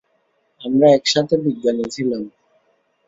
আমরা একসাথে বিজ্ঞানী ছিলাম।